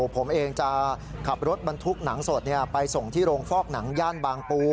ผมเองจะขับรถบรรทุกหนังสดไปส่งที่โรงฟอกหนังย่านบางปู